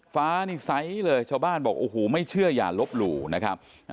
ฟ้านี่ไซส์เลยชาวบ้านบอกโอ้โหไม่เชื่ออย่าลบหลู่นะครับ